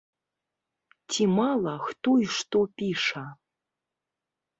Ці мала, хто і што піша.